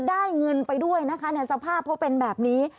ได้เงินไปด้วยนะคะสภาพเขาเป็นแบบนี้